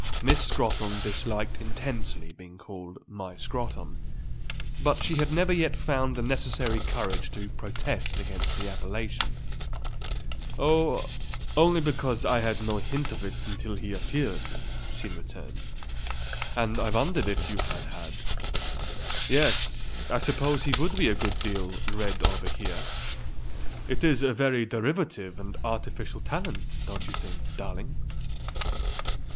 Miss Scrotton disliked intensely being called "my Scrotton;" but she had never yet found the necessary courage to protest against the appellation. "Oh, only because I had had no hint of it until he appeared," she returned. "And I wondered if you had had. Yes; I suppose he would be a good deal read over here. It is a very derivative and artificial talent, don't you think, darling?"